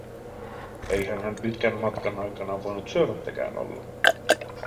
Eihän hän pitkän matkan aikana voinut syömättäkään olla.